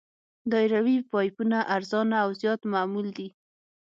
دایروي پایپونه ارزانه او زیات معمول دي